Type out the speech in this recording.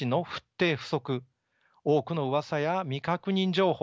多くのうわさや未確認情報。